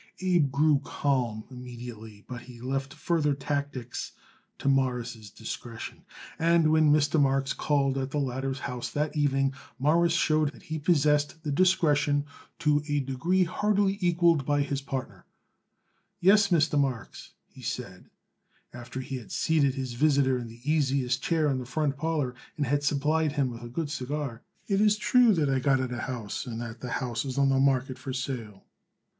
Abe grew calm immediately, but he left further tactics to Morris' discretion; and when Mr. Marks called at the latter's house that evening Morris showed that he possessed that discretion to a degree hardly equaled by his partner. "Yes, Mr. Marks," he said, after he had seated his visitor in the easiest chair in the front parlor and had supplied him with a good cigar, "it is true that I got it a house and that the house is on the market for sale."